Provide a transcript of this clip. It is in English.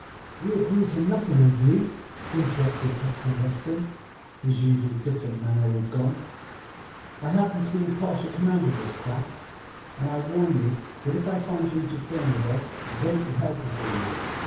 "We agree to nothing with you," interrupted Captain Weston, his usual diffident manner all gone. "I happen to be in partial command of this craft, and I warn you that if I find you interfering with us it won't be healthy for you.